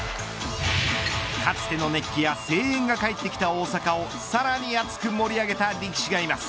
かつての熱気や声援が帰ってきた大阪さらに熱く盛り上げた力士がいます。